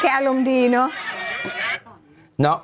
อารมณ์ดีเนอะ